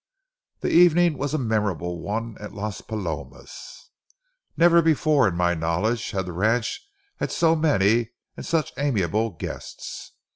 The evening was a memorable one at Las Palomas. Never before in my knowledge had the ranch had so many and such amiable guests.